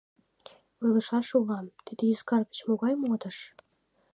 — Ойлышаш улам, тиде ӱзгар гыч могай модыш?